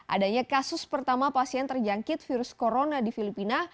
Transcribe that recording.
adanya kasus pertama pasien terjangkit virus corona di filipina